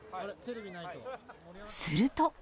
すると。